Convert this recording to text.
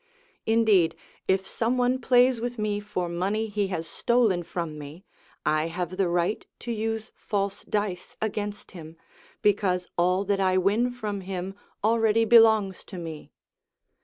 Indeed, if some one plays with me for money he has stolen from me, I have the right to use false dice against him, because all that I win from him already belongs to me.